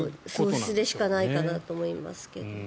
それしかないかなと思いますけれど。